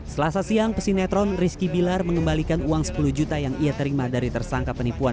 selasa siang pesinetron rizki bilar mengembalikan uang sepuluh juta yang ia terima dari tersangka penipuan